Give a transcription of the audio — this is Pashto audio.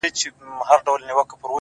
موږ څلور واړه د ژړا تر سـترگو بـد ايـسو؛